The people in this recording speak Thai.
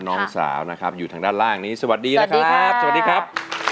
น้องสาวนะครับอยู่ทางด้านล่างนี้สวัสดีครับ